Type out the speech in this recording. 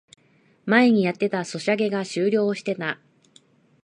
前にやってたソシャゲが終了してた